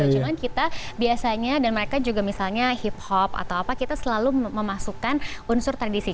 cuman kita biasanya dan mereka juga misalnya hip hop atau apa kita selalu memasukkan unsur tradisi